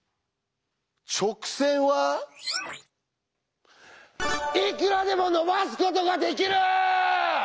「直線はいくらでも延ばすことができる」！